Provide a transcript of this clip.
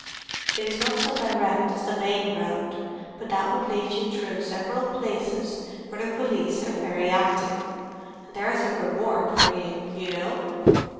It is not so direct as the main road, but that would lead you through several places where the police are very active—and there is a reward for you, you know!"